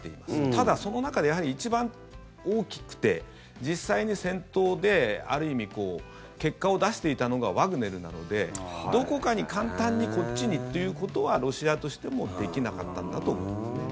ただ、その中でやはり一番大きくて実際に戦闘である意味、結果を出していたのがワグネルなのでどこかに簡単にこっちにということはロシアとしてもできなかったんだと思うんです。